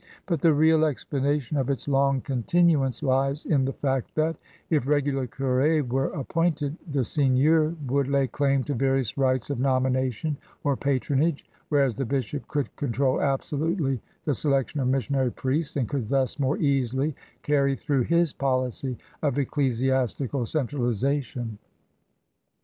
But the real explanation of its long continuance lies in the fact that, if r^^ular curSs were appointed, the seigneurs would lay claim to various rights of nomination or patronage, whereas the bishop could control absolutely the selection of missionary priests and could thus more easily carry through his policy of ecclesiastical centralization.